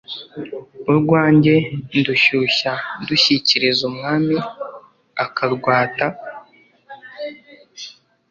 “urwanjye ndushyushya ndushyikiriza umwami akarwata.